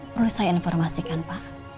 perlu saya informasikan pak